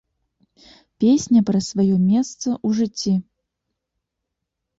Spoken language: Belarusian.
Песня пра сваё месца ў жыцці.